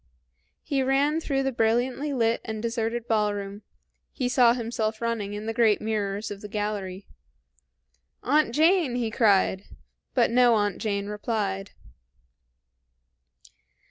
He ran through the brilliantly lit and deserted ballroom; he saw himself running in the great mirrors of the gallery. "Aunt Jane!" he cried; but no Aunt Jane replied.